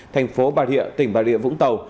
thành phố bà rịa tỉnh bà rịa vũng tàu